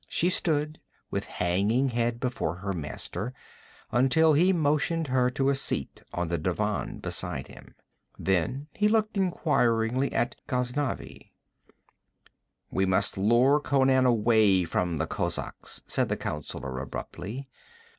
She stood with hanging head before her master until he motioned her to a seat on the divan beside him. Then he looked inquiringly at Ghaznavi. 'We must lure Conan away from the kozaks,' said the counsellor abruptly.